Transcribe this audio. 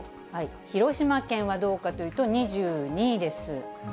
広島県はどうかというと、２２位です。